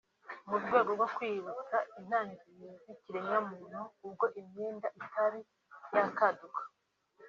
mu rwego rwo kwiyibutsa intangiriro z’ikiremwamuntu ubwo imyenda itari yakaduka